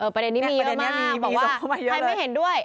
ประเด็นนี้มีเยอะมากบอกว่าใครไม่เห็นด้วย